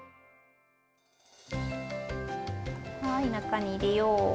はい中に入れよう。